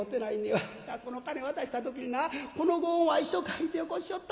わしはその金渡した時になこのご恩は一生書いてよこしおった」。